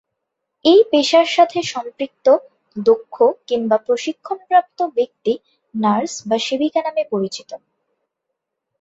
এ পেশার সাথে সম্পৃক্ত, দক্ষ কিংবা প্রশিক্ষণপ্রাপ্ত ব্যক্তি নার্স বা সেবিকা নামে পরিচিত।